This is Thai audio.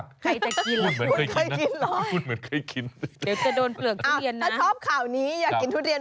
กล้าจะเข้าจมูกเลย